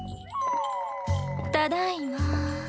ただいま。